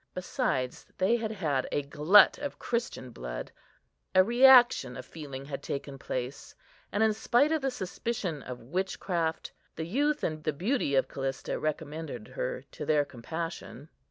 Besides, they had had a glut of Christian blood; a reaction of feeling had taken place, and, in spite of the suspicion of witchcraft, the youth and the beauty of Callista recommended her to their compassion.